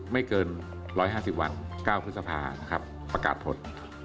ไม่เกิน๑๕๐วัน๙พฤษภานะครับประกาศผล